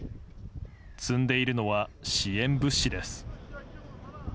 積んでいるのは支援物資です。